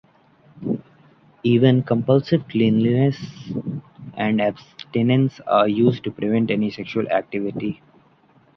Even compulsive cleanliness and abstinence are used to prevent any sexual activity.